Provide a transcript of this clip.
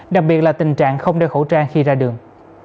đặc biệt là tình trạng không đeo khẩu trang khi ra đường